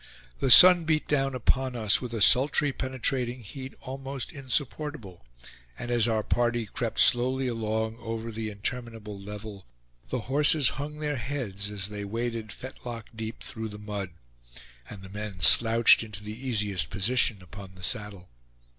The sun beat down upon us with a sultry penetrating heat almost insupportable, and as our party crept slowly along over the interminable level, the horses hung their heads as they waded fetlock deep through the mud, and the men slouched into the easiest position upon the saddle.